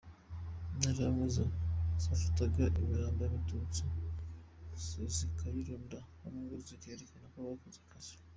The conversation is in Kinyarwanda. Interahamwe zo, zafataga imirambo y’abatutsi zikayirunda hamwe ngo zerekane ko zakoze akazi !!!